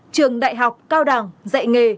trường đại học cao đảng dạy nghề